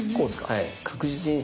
はい確実に。